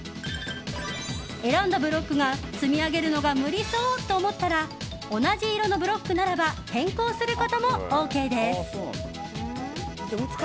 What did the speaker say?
選んだブロックが積み上げるのが無理そうと思ったら同じ色のブロックならば変更することもＯＫです。